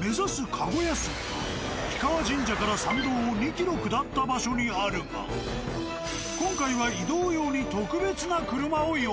「駕籠休み」は氷川神社から参道を２ｋｍ下った場所にあるが今回は移動用にほんと？